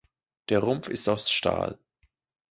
Der Rumpf ist aus Stahl.